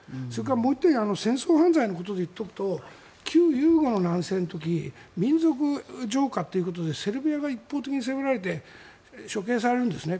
もう１点戦争犯罪のことで言うと旧ユーゴの時民族浄化ということでセルビアが一方的に攻められて処刑されるんですね。